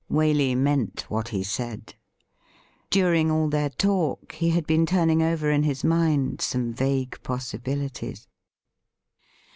Waley meant what he said. During all their talk he had been turning over in his mind some vague possibilities.